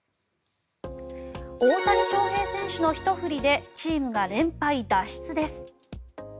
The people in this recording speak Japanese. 大谷翔平選手のひと振りでチームが連敗脱出です。